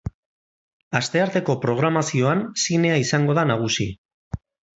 Astearteko programazioan zinea izango da nagusi.